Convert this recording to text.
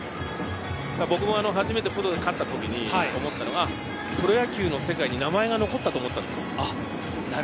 僕も初めて勝った時に思ったのは、プロ野球の世界に名前が残ったと思ったんです。